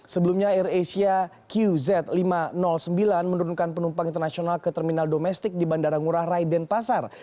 sebelumnya air asia qz lima ratus sembilan menurunkan penumpang internasional ke terminal domestik di bandara ngurah rai denpasar